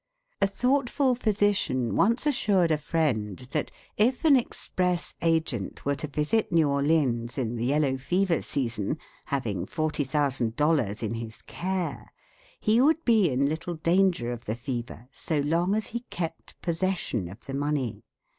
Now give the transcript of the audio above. A thoughtful physician once assured a friend that if an express agent were to visit New Orleans in the yellow fever season, having forty thousand dollars in his care, he would be in little danger of the fever so long as he kept possession of the money.